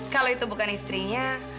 kalau itu bukan istrinya